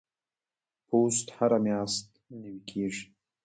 پوست هره میاشت نوي کیږي.